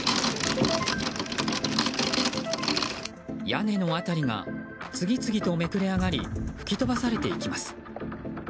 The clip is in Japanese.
屋根の辺りが次々とめくれ上がり吹き飛ばされていきます。